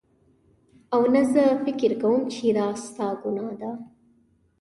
او نه زه فکر کوم چې دا ستا ګناه نده